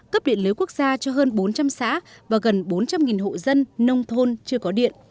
cấp điện lưới quốc gia cho hơn bốn trăm linh xã và gần bốn trăm linh hộ dân nông thôn chưa có điện